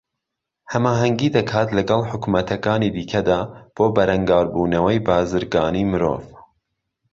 ھەماھەنگی دەکات لەگەڵ حوکمەتەکانی دیکەدا بۆ بەرەنگاربوونەوەی بازرگانیی مرۆڤ